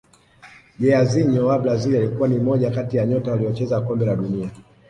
jairzinho wa brazil alikuwa ni mmoja kati ya nyota waliocheza kombe la dunia